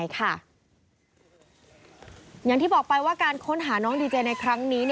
อย่างที่บอกไปว่าการค้นหาน้องดีเจในครั้งนี้